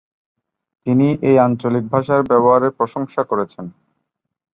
তিনি এই আঞ্চলিক ভাষার ব্যবহারের প্রশংসা করেছেন।